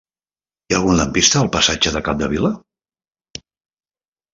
Hi ha algun lampista al passatge de Capdevila?